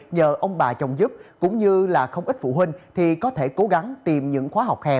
nhờ ông bà chồng giúp cũng như là không ít phụ huynh thì có thể cố gắng tìm những khóa học hè